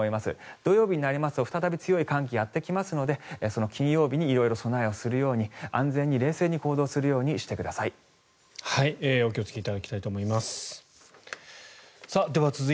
土曜日になりますと再び強い寒気がやってきますのでその金曜日に色々備えをするように安全に冷静に行動するようにしてください。